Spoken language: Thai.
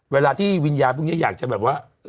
เวลาที่วิญญาณพวกนี้อยากจะแบบว่า